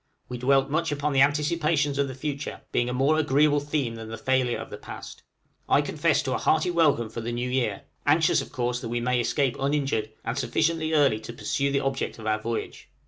We dwelt much upon the anticipations of the future, being a more agreeable theme than the failure of the past. I confess to a hearty welcome for the new year anxious, of course, that we may escape uninjured, and sufficiently early to pursue the object of our voyage.